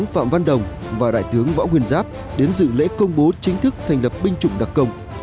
phạm văn đồng và đại tướng võ nguyên giáp đến dự lễ công bố chính thức thành lập binh chủng đặc công